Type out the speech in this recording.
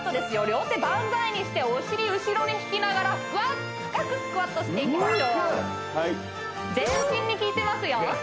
両手万歳にしてお尻後ろに引きながら深くスクワットしていきましょう全身に効いてますよ